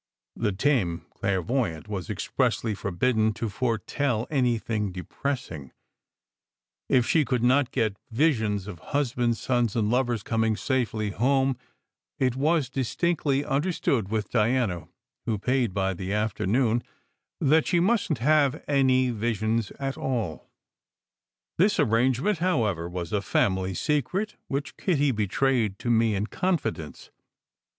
The tame clairvoyant was expressly forbidden to foretell any thing depressing; if she could not get visions of husbands, sons, and lovers coming safely home, it was distinctly understood with Diana (who paid by the afternoon) that she mustn t have any visions at all. This arrange ment, however, was a family secret, which Kitty be trayed to me in confidence.